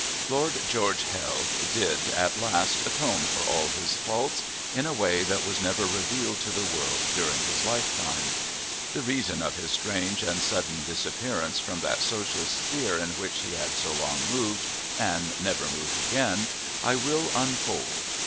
Lord George Hell did, at last, atone for all his faults, in a way that was never revealed to the world during his life time. The reason of his strange and sudden disappearance from that social sphere in which he had so long moved, and never moved again, I will unfold.